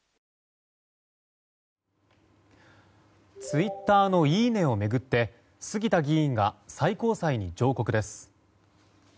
ツイッターのいいねを巡って杉田議員が最高裁に上告です。